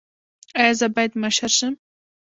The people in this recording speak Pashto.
ایا زه باید مشر شم؟